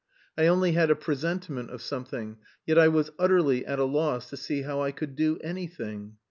I only had a presentiment of something... yet I was utterly at a loss to see how I could do anything.